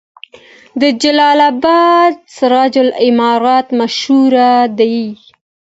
د جلال اباد سراج العمارت مشهور دی